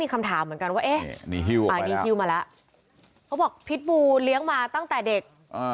เขาบอกพิษบูเลี้ยงมาตั้งแต่เด็ก